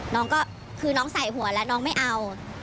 น้องก็คือน้องใส่หัวแล้วน้องไม่เอา